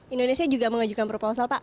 indonesia juga mengajukan proposal pak